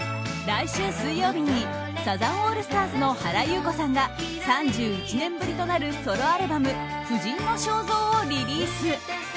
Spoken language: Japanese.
来週水曜日にサザンオールスターズの原由子さんが３１年ぶりとなるソロアルバム「婦人の肖像」をリリース。